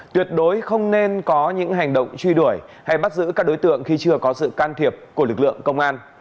tuyệt đối không nên có những hành động truy đuổi hay bắt giữ các đối tượng khi chưa có sự can thiệp của lực lượng công an